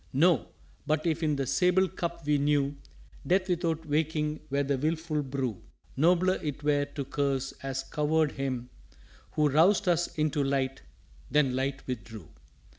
_" "No. But if in the sable Cup we knew Death without waking were the wilful brew, Nobler it were to curse as Coward Him Who roused us into light then light withdrew."